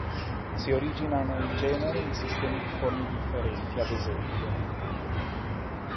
Si originano in genere in sistemi di forme differenti, ad es.